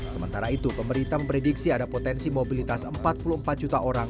sementara itu pemerintah memprediksi ada potensi mobilitas empat puluh empat juta orang